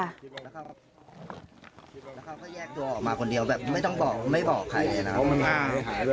แล้วเขาก็แยกตัวออกมาคนเดียวไม่บอกใครเลยนะครับ